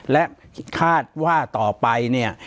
ปากกับภาคภูมิ